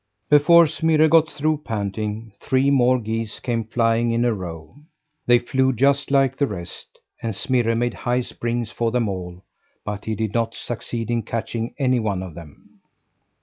Before Smirre got through panting, three more geese came flying in a row. They flew just like the rest, and Smirre made high springs for them all, but he did not succeed in catching any one of them.